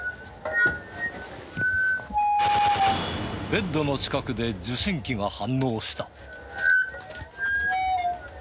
ベッドの近くで受信機が反応した。